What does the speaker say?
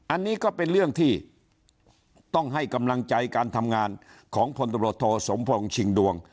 อันนี้ก็เป็นเรื่องที่ต้องให้กำลังใจการทำงานของพลตำรวจโทสมพงศ์ชิงดวง